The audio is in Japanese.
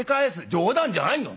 「冗談じゃないよ。